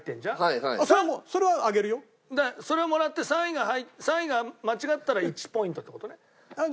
それをもらって３位が間違ったら１ポイントって事ね？